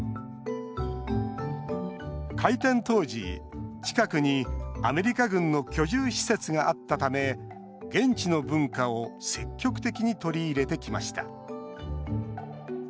開店当時、近くにアメリカ軍の居住施設があったため現地の文化を積極的に取り入れてきました。